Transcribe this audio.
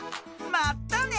まったね！